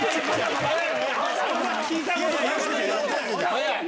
早い。